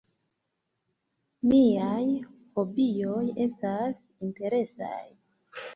Miaj hobioj estas interesaj.